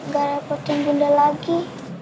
gak repotin bunda lagi